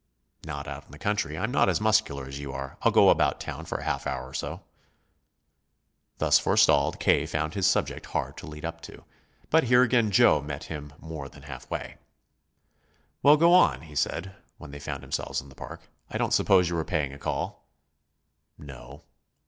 "Not out in the country. I'm not as muscular as you are. I'll go about town for a half hour or so." Thus forestalled, K. found his subject hard to lead up to. But here again Joe met him more than halfway. "Well, go on," he said, when they found themselves in the park; "I don't suppose you were paying a call." "No."